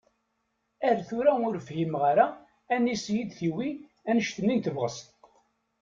Ar tura ur fhimeɣ ara anisi d-tiwi anect-nni n tebɣest.